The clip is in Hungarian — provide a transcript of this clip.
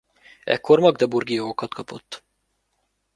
Ekkor magdeburgi jogokat kapott.